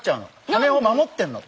はねを守ってんの。